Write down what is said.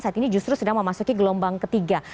saat ini justru sudah mau masuk ke gelombang ketiga